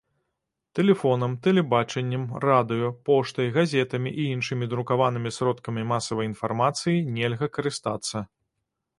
Тэлефонам, тэлебачаннем, радыё, поштай, газетамі і іншымі друкаванымі сродкамі масавай інфармацыі нельга карыстацца.